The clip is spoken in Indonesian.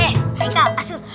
eh haikalah sun